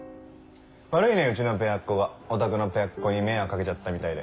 悪いねうちのペアっ子がおたくのペアっ子に迷惑掛けちゃったみたいで。